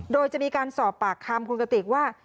โดยจะมีการสอบปากคำคุณกติกว่า